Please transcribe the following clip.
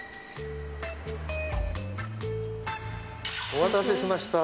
お待たせしました。